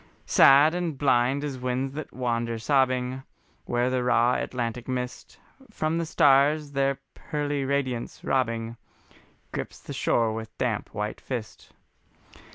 Sad and blind as winds that wander sobbing, Where the raw Atlantic mist From the stars their pearly radiance robbing, Grips the shore with damp white fist.